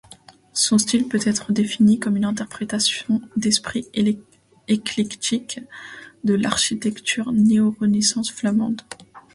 Son style peut être défini comme une interprétation d'esprit éclectique de l'architecture néo-Renaissance flamande.